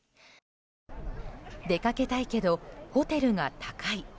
出かけたいけどホテルが高い。